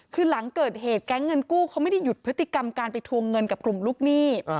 คือหลังเกิดเหตุแก๊งเงินกู้เขาไม่ได้หยุดพฤติกรรมการไปทวงเงินกับกลุ่มลูกหนี้